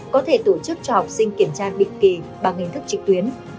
có thể tổ chức cho học sinh kiểm tra định kỳ bằng hình thức trực tuyến